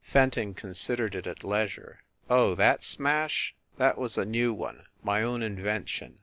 Fenton considered it at leisure. "Oh, that smash ? That was a new one my own invention.